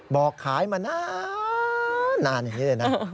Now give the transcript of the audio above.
บอกขายมานานอย่างนี้เลยนะ